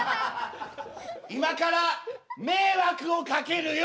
今から迷惑をかけるよ！